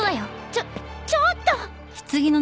ちょっちょっと！